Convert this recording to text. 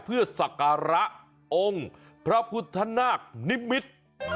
เพื่อสักการะองค์พระพุทธนาคนิมิตร